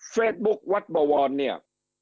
เฟซบุ๊ควัดบวรเนี่ย